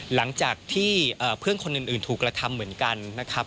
หลังจากที่เพื่อนคนอื่นถูกกระทำเหมือนกันนะครับ